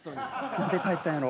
何で帰ったんやろ？